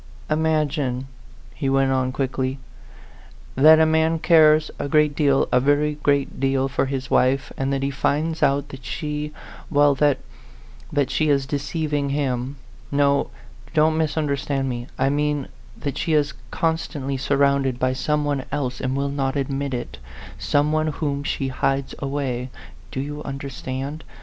"Imagine," he went on quickly, "that a man cares a great deal a very great deal for his wife, and that he finds out that she well, that that she is deceiving him. No don't misunderstand me I mean that she is constantly surrounded by some one else and will not admit it some one whom she hides away. Do you understand ?